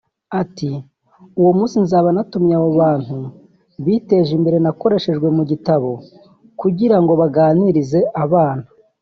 Ati “Uwo munsi nzaba natumiye abo bantu biteje imbere nakoreshejwe mu gitabo kugira ngo baganirize abana